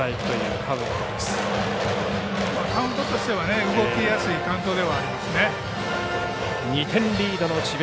カウントとしては動きやすいカウントでは２点リードの智弁